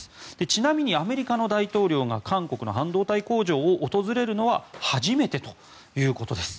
ちなみに、アメリカの大統領が韓国の半導体工場を訪れるのは初めてということです。